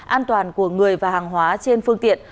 an toàn của người và hàng hóa trên phương tiện